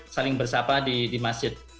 saling bersama di masjid